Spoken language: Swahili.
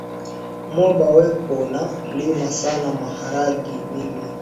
Moba weko na lima sana maharagi mingi